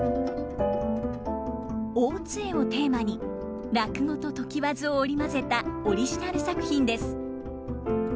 大津絵をテーマに落語と常磐津を織り交ぜたオリジナル作品です。